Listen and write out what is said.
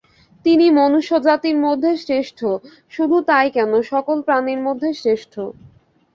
তিনি মনুষ্যজাতির মধ্যে শ্রেষ্ঠ, শুধু তাই কেন, সকল প্রাণীর মধ্যে শ্রেষ্ঠ।